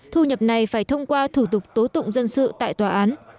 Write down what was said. thu nhập này phải thông qua thủ tục tố tụng dân sự tại tòa án